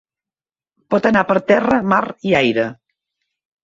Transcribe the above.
Pot anar per terra, mar i aire.